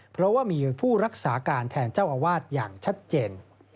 เพราะว่ามีผู้รักษาการแทนเจ้าอาวาสอย่างชัดเจน